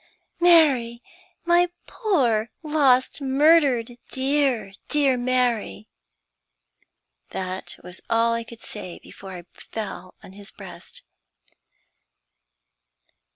"Mary! my poor, lost, murdered, dear, dear Mary!" That was all I could say before I fell on his breast.